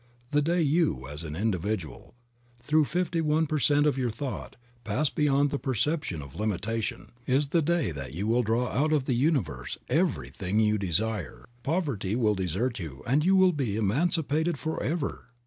The day you, as an individual, through fifty one per cent, of your thought, pass beyond the perception of limitation, you will draw out of the universe Creative Mind. 69 everything you desire ; poverty will desert you and you will be emancipated forever.